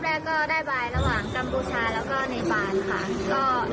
สายแข่งจับมารอบแรกได้บายระหว่างกัมพูชาแล้วก็เนฟานครับ